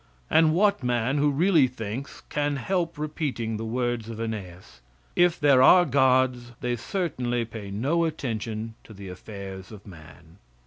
And what man, who really thinks, can help repeating the words of Aeneas, "If there are gods they certainly pay no attention to the affairs of man."